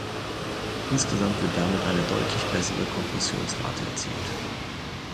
Insgesamt wird damit eine deutlich bessere Kompressionsrate erzielt.